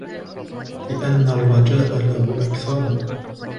لِأَنَّ الرَّجَاءَ لَهُ أَكْثَرُ